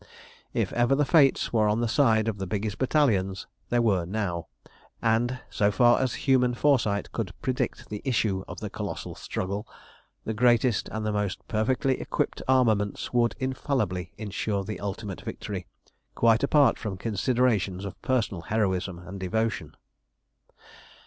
If ever the Fates were on the side of the biggest battalions, they were now, and, so far as human foresight could predict the issue of the colossal struggle, the greatest and the most perfectly equipped armaments would infallibly insure the ultimate victory, quite apart from considerations of personal heroism and devotion.